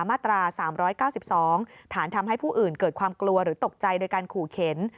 มาตรา๓๙๒ฐานทำให้ผู้อื่นเกิดความกลัวหรือตกใจโดยการขู่เข็น